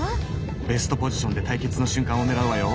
ベストポジションで対決の瞬間をねらうわよ。